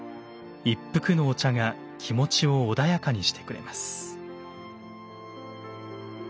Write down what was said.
一服のお茶が気持ちを穏やかにしてくれます。